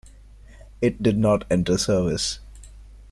It did not enter service.